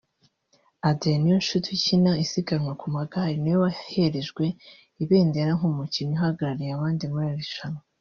Adrien Niyonshuti ukina usiganwa ku magare niwe waherejwe ibendera nk’umukinnyi uhagarariye abandi muri aya marushanwa